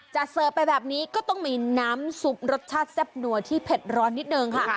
เสิร์ฟไปแบบนี้ก็ต้องมีน้ำซุปรสชาติแซ่บนัวที่เผ็ดร้อนนิดนึงค่ะ